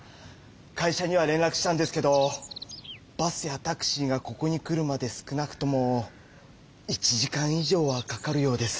会社には連らくしたんですけどバスやタクシーがここに来るまで少なくとも１時間以上はかかるようです。